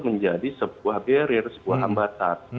menjadi sebuah barrier sebuah hambatan